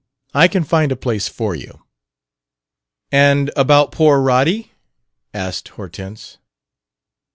I can find a place for you." "And about poor Roddy?" asked Hortense.